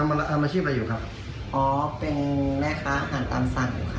เอ่อทำอะไรทำอาชีพอะไรอยู่ครับอ๋อเป็นแม่ค้าอาหารตามสั่งอยู่ค่ะ